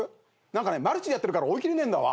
何かねマルチでやってるから追いきれねえんだわ。